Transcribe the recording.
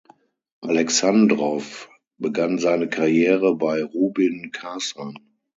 Alexandrow begann seine Karriere bei Rubin Kasan.